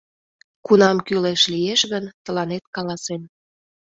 Кунам кӱлеш лиеш гын, тыланет каласем...